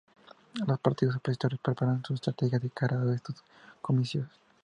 Los partidos opositores preparan sus estrategias de cara a estos comicios.